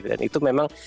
dan itu memang